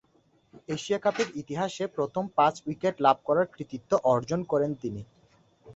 Asia কাপের ইতিহাসে প্রথম পাঁচ-উইকেট লাভ করার কৃতিত্ব অর্জন করেন তিনি।